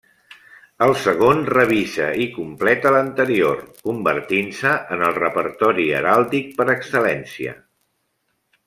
El segon revisa i completa l'anterior, convertint-se en el repertori heràldic per excel·lència.